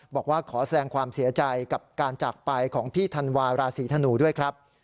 บอกว่าขอแสดงความเสียใจกับการจากไปของพี่ธันวาราศีธนูด้วยครับ